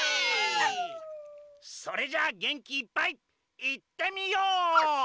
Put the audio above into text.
それじゃあげんきいっぱいいってみよう！